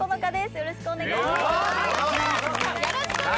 よろしくお願いします。